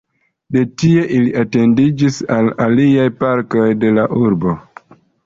De tie, Ili etendiĝis al aliaj parkoj de la urbo.